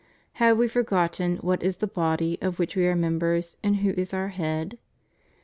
Have we forgotten what is the body of which we are members, and who is our Head?